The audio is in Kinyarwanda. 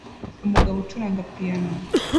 Umugabo acuranga piyano